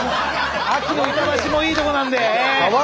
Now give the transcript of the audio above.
秋の板橋もいいとこなんで。